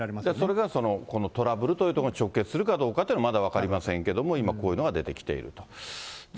それがそのトラブルというところに直結するかどうかというのはまだ分かりませんけれども、今こういうのが出てきていると。